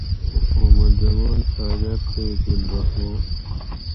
محمد زمان ساگر تے گل رحمان